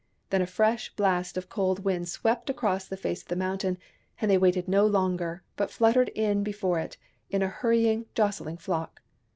Then a fresh blast of cold wind swept across the face of the mountain, and they waited no longer, but fluttered in before it, in a hurrying, jostling flock.